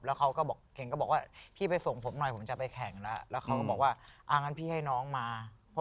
หลังว่าเคยไปทรงผมหน่อยผมจะไปแข่งซึ่งมีน้องมา